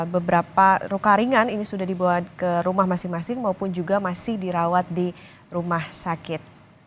beberapa luka ringan ini sudah dibawa ke rumah masing masing maupun juga masih dirawat di rumah sakit